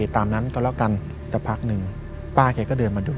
ตามนั้นก็แล้วกันสักพักหนึ่งป้าแกก็เดินมาดู